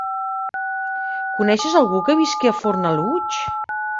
Coneixes algú que visqui a Fornalutx?